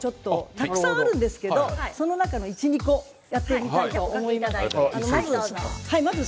たくさんあるんですけどその中の１、２個をやってみたいと思います。